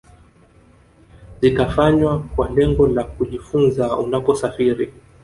zitafanywa kwa lengo la kujifunza Unaposafiri